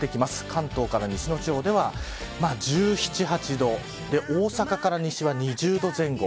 関東から西の地方では１７、１８度大阪から西は２０度前後。